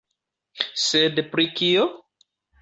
Sed pri kio?